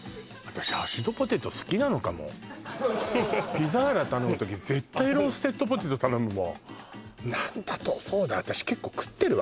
ピザーラ頼む時絶対ローステッドポテト頼むもん何だとそうだ私